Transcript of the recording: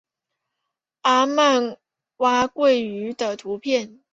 阿曼蛙蟾鱼的图片